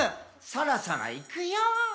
「そろそろいくよー」